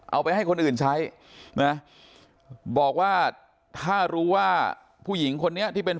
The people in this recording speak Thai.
เอาไปให้คนอื่นใช้นะบอกว่าถ้ารู้ว่าผู้หญิงคนนี้ที่เป็น